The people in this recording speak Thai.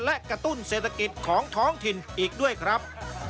และกระตุ้นเศรษฐกิจของท้องถิ่นอีกด้วยครับ